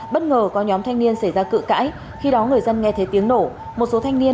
bất ngờ có nhóm thanh niên xảy ra cự cãi khi đó người dân nghe thấy tiếng nổ một số thanh niên